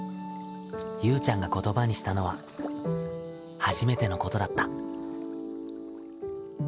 ゆうちゃんが言葉にしたのは初めてのことだった。